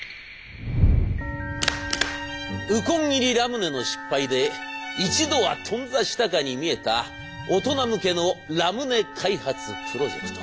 「ウコン入りラムネ」の失敗で一度は頓挫したかに見えた大人向けのラムネ開発プロジェクト。